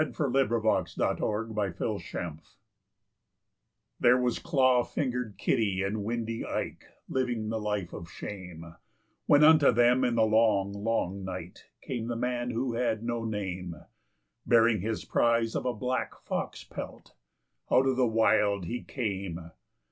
The Ballad of the Black Fox Skin There was Claw fingered Kitty and Windy Ike living the life of shame, When unto them in the Long, Long Night came the man who had no name; Bearing his prize of a black fox pelt, out of the Wild he came.